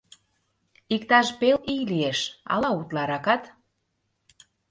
— Иктаж пел ий лиеш, ала утларакат.